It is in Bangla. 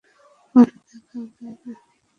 ভয় দেখাবে না?